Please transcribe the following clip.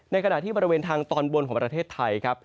ขณะที่บริเวณทางตอนบนของประเทศไทยครับ